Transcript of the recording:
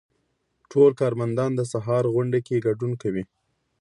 ټول کارمندان د سهار غونډې کې ګډون کوي.